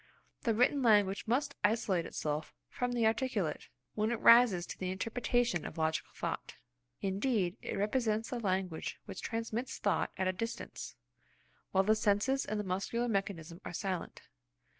The written language must isolate itself from the articulate, when it rises to the interpretation of logical thought. Indeed, it represents the language which transmits thought at a distance, while the senses and the muscular mechanism are silent.